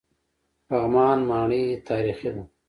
پغمان ماڼۍ تاریخي ده؟